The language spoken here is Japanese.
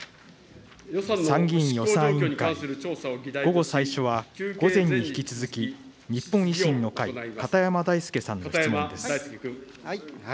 参議院予算委員会、午後、最初は午前に引き続き、日本維新の会、片山大介さんの質問です。